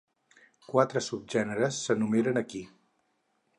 Quatre subgèneres s'enumeren aquí.